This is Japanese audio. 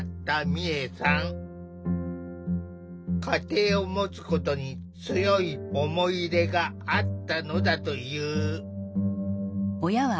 家庭を持つことに強い思い入れがあったのだという。